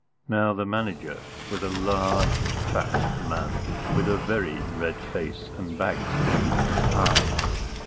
Now the Manager was a large, fat man, with a very red face and bags beneath his eyes.